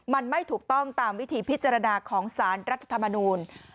มันไม่ถูกต้องตามวิธีพิจารณาของสารรัฐธรรมนูล